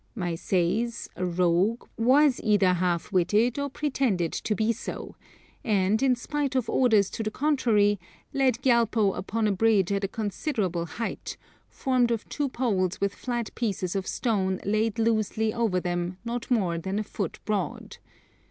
My seis, a rogue, was either half witted or pretended to be so, and, in spite of orders to the contrary, led Gyalpo upon a bridge at a considerable height, formed of two poles with flat pieces of stone laid loosely over them not more than a foot broad.